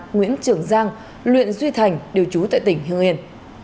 nguyễn trường giang luyện duy thành đều trú tại tỉnh hương yên